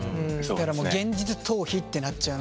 だからもう現実逃避ってなっちゃう。